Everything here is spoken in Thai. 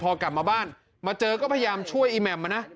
พอกลับมาบ้านมาเจอก็พยายามช่วยอีแหม่มมานะ